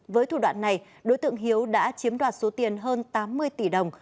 với thủ đoạn này đối tượng hiếu đã chiếm đoạt số tiền hơn tám mươi tỷ đồng